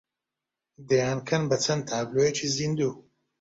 دەیانکەن بە چەند تابلۆیەکی زیندوو